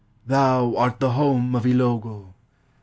Thou art the home of Ilogo!